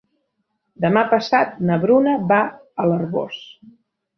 Demà passat na Bruna va a l'Arboç.